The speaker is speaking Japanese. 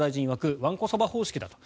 わんこそば方式だと。